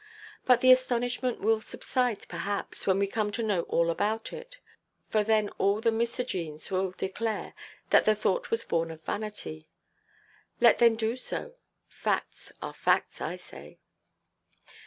But the astonishment will subside, perhaps, when we come to know all about it; for then all the misogynes may declare that the thought was born of vanity. Let them do so. Facts are facts, I say.